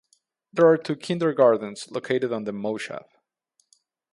There are two kindergartens located on the moshav.